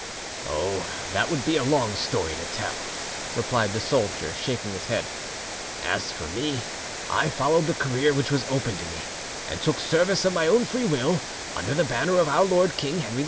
"Oh, that would be a long story to tell," replied the soldier, shaking his head. "As for me, I followed the career which was open to me, and took service of my own free will under the banner of our lord king, Henry II.